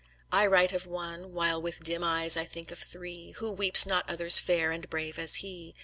I write of one, While with dim eyes I think of three; Who weeps not others fair and brave as he?